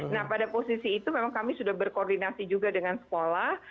nah pada posisi itu memang kami sudah berkoordinasi juga dengan sekolah